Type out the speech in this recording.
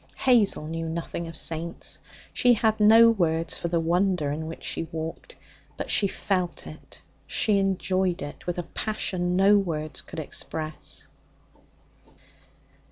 Hazel knew nothing of saints. She had no words for the wonder in which she walked. But she felt it, she enjoyed it with a passion no words could express.